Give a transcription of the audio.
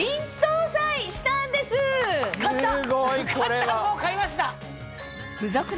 買ったもう買いました。